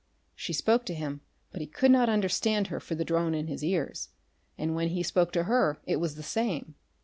She spoke to him, but he could not understand her for the drone in his ears, and when he spoke to her it was the same.